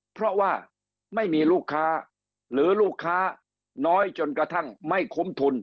เพราะว่าไม่มีลูกค้าหรือลูกค้าน้อยจนกระทั่งไม่คุ้มทุน